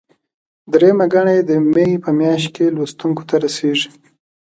درېیمه ګڼه یې د مې په میاشت کې لوستونکو ته رسیږي.